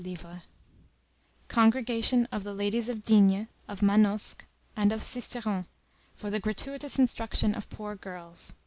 100 " Congregation of the ladies of D——, of Manosque, and of Sisteron, for the gratuitous instruction of poor girls